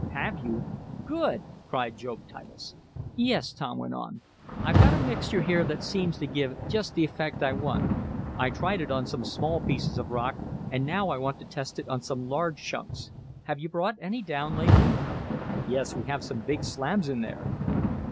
"Have you? Good!" cried Job Titus. "Yes," Tom went on, "I've got a mixture here that seems to give just the effect I want. I tried it on some small pieces of rock, and now I want to test it on some large chunks. Have you brought any down lately?" "Yes, we have some big slabs in there."